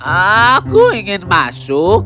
aku ingin masuk